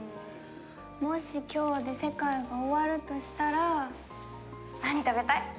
もし今日で世界が終わるとしたら何食べたい？